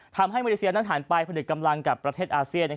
ทำให้มาเลเซียน่าถ่านไปพนึกกำลังกับประเทศอาเซีย